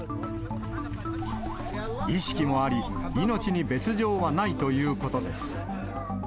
意識もあり、命に別状はないということです。